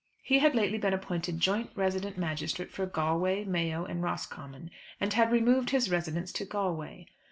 He had lately been appointed Joint Resident Magistrate for Galway, Mayo, and Roscommon, and had removed his residence to Galway.